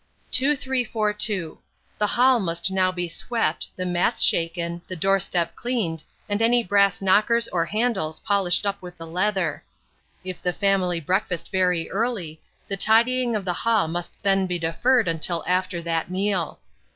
2342. The hall must now be swept, the mats shaken, the door step cleaned, and any brass knockers or handles polished up with the leather. If the family breakfast very early, the tidying of the hall must then be deferred till after that meal.